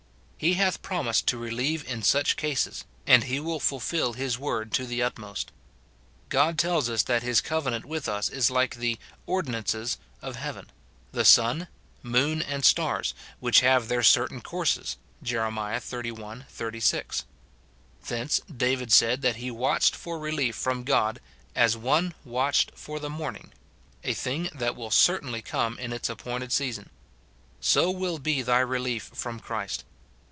He hath promised to relieve in such cases, and he will fulfil his word to the utmost. * Matt. xi. 28. f Isa. Iv. 1 3 ; llev. iii. 18. SIN IN BELIEVERS. 290 God tells us that his covenant with us is like the " ordi nances" of heaven, the sun, moon, and stars, which have their certain courses, Jer. xxxi. 36. Thence David said that he watched for relief from God " as one watched for the raoi ning,"* — a thing that will certainly come in its appointed season. So will be thy relief from Christ.